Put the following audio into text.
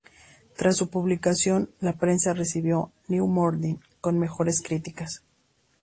Tras su publicación, la prensa recibió "New Morning" con mejores críticas.